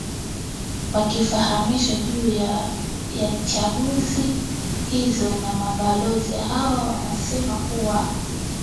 wakifahamishwa juu ya chaguzi hizo na mabalozi hawa wamesema kuwa